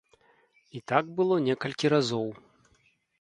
І так было некалькі разоў.